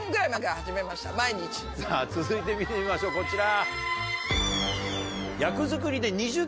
さぁ続いて見てみましょうこちら。